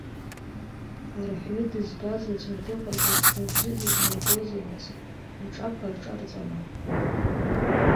Арҳәҩы дызбаз аӡәыр дыҟазар, рыбжьы зыдмыргозеи, нас, аҿаԥа рҿарҵама?